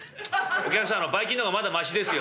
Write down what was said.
「お客さんバイ菌の方がまだましですよ。